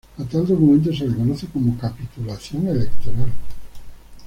A tal documento se le conoce como "capitulación electoral".